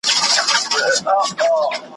په هوا کي ماڼۍ نه جوړېږي ,